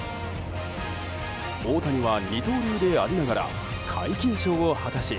大谷は二刀流でありながら皆勤賞を果たし